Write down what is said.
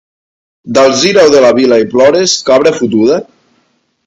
D'Alzira o de la Vila i plores, cabra fotuda?